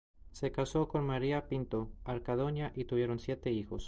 Se casó con María Pinto Argandoña y tuvieron siete hijos.